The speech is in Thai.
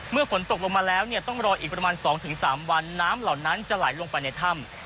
ฝนตกลงมาแล้วเนี่ยต้องรออีกประมาณ๒๓วันน้ำเหล่านั้นจะไหลลงไปในถ้ำ